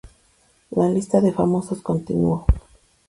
La lista de famosos continuó.